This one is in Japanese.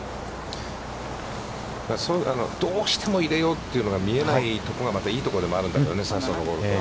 どうしても入れようというのが見えないところがまた、いいところでもあるんだけどね、笹生のゴルフは。